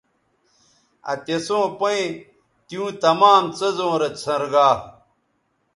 آ تِسوں پیئں تیوں تمام څیزوں رے څھنرگا